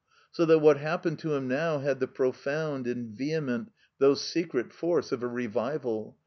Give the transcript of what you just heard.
So that what hap pened to him now had the profound and vehement, though secret, force of a revival.